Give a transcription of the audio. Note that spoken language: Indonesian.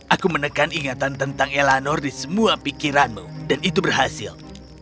aku menekan ingatan tentang elanor di semua pikiranmu dan itu berhasil